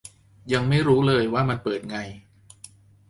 ยังไม่รู้เลยว่ามันเปิดไง